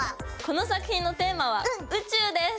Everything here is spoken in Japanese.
この作品のテーマは宇宙です！